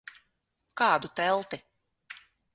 Kādu telti?